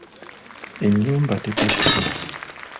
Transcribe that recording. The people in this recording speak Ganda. Ennyumba tepapirwa.